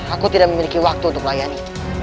aku tidak memiliki waktu untuk melayani